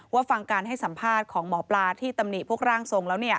ฟังการให้สัมภาษณ์ของหมอปลาที่ตำหนิพวกร่างทรงแล้ว